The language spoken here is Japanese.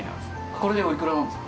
これでおいくらなんですか？